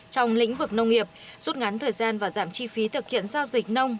trong lĩnh vực nông nghiệp rút ngắn thời gian và giảm chi phí thực hiện giao dịch nông